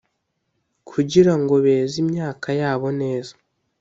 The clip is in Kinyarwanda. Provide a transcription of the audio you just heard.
kugira ngo beze imyaka yabo neza.